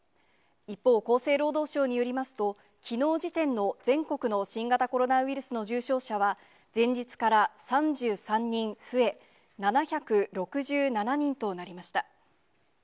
一方、厚生労働省によりますと、きのう時点の全国の新型コロナウイルスの重症者は、前日から３３人増え、７６７人となりました。